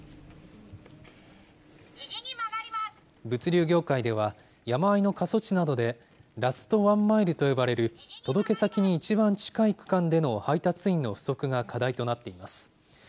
物流業界では、山あいの過疎地などで、ラストワンマイルと呼ばれる届け先に一番近い区間での配達員の不足が課題となっています。